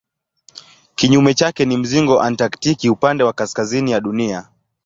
Kinyume chake ni mzingo antaktiki upande wa kaskazini ya Dunia.